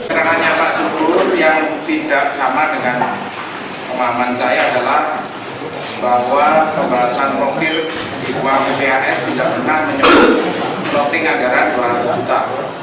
keterangannya pak subur yang tidak sama dengan pemahaman saya adalah bahwa pembahasan profil di bumb pns tidak pernah menyebut plotting agar dua ratus juta